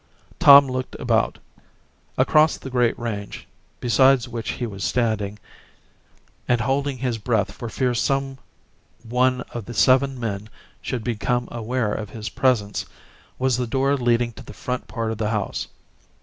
Thorn looked about. Across from the great range, beside which he was standing and holding his breath for fear some one of the seven men should become aware of his presence, was the door leading to the front part of the house.